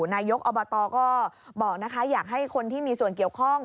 นายกอบตก็บอกนะคะอยากให้คนที่มีส่วนเกี่ยวข้อง